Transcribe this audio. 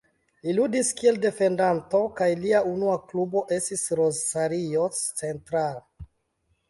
Li ludis kiel defendanto kaj lia unua klubo estis Rosario Central.